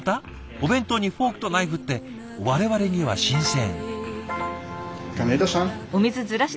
お弁当にフォークとナイフって我々には新鮮。